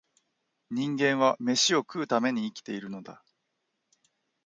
人間は、めしを食うために生きているのだ